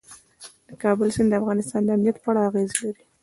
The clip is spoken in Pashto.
د کابل سیند د افغانستان د امنیت په اړه اغېز لري.